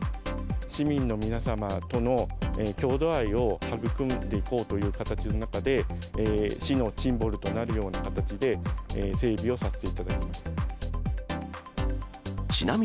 市民の皆様との郷土愛を育んでいこうという形の中で、市のシンボルとなるような形で整備をさせていただきました。